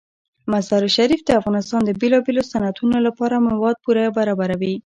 مزارشریف د افغانستان د بیلابیلو صنعتونو لپاره مواد پوره برابروي.